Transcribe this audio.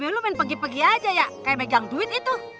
ya lu main pagi pergi pergi aja ya kayak megang duit itu